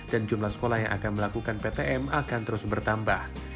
dan jumlah sekolah yang akan melakukan ptm akan terus bertambah